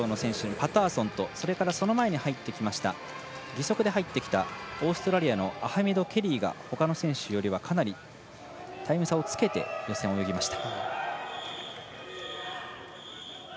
パターソンと義足で入ってきたオーストラリアのアハメド・ケリーがほかの選手よりはかなりタイム差をつけて予選を泳ぎました。